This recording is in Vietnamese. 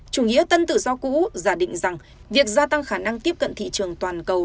chủ nghĩa tân tự do cũ giả định rằng việc gia tăng khả năng tiếp cận thị trường toàn cầu